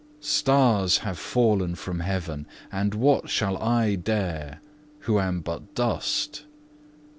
Stars have fallen from heaven, and what shall I dare who am but dust?